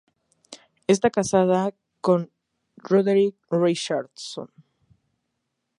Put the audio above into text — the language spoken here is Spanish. Está casada con Roderick Richardson.